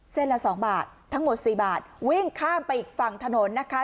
ละสองบาททั้งหมด๔บาทวิ่งข้ามไปอีกฝั่งถนนนะคะ